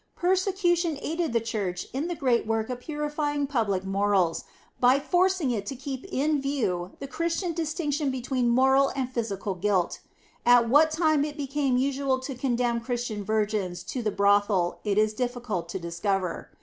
Persecution aided the Church in the great work of purifying public morals, by forcing it to keep in view the Christian distinction between moral and physical guilt. At what time it became usual to condemn Christian virgins to the brothel it is difficult to discover.